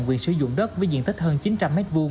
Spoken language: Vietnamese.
quyền sử dụng đất với diện tích hơn chín trăm linh m hai